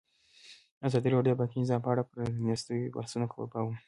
ازادي راډیو د بانکي نظام په اړه د پرانیستو بحثونو کوربه وه.